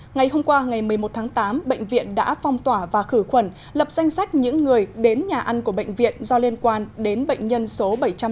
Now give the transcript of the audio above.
ngày hôm qua ngày một mươi một tháng tám bệnh viện đã phong tỏa và khử khuẩn lập danh sách những người đến nhà ăn của bệnh viện do liên quan đến bệnh nhân số bảy trăm năm mươi